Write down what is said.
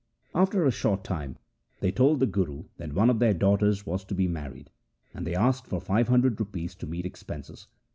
After a short time they told the Guru that one of their daughters was to be married, and they asked for five hundred rupees to meet expenses.